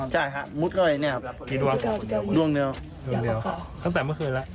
ใช่ฮะมุดเข้าไปเนี่ยครับกี่ดวงดวงเดียวดวงเดียวตั้งแต่เมื่อคืนแล้ว